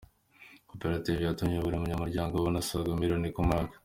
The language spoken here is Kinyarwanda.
Koperative yatumye buri munyamuryango abona asaga miliyoni ku mwaka